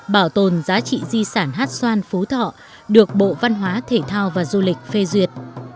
bảo tồn giá trị di sản hát xoan phú thọ được bộ văn hóa thể thao và du lịch phê duyệt